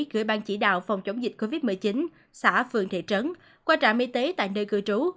gửi bang chỉ đạo phòng chống dịch covid một mươi chín xã phường thị trấn qua trạm y tế tại nơi cư trú